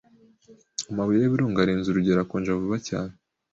amabuye y'ibirunga arenze urugero akonja vuba cyane